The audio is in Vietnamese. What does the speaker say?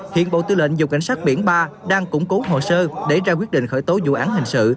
hiện bộ tư lệnh dùng cảnh sát biển ba đang củng cố hồ sơ để ra quyết định khởi tố vụ án hình sự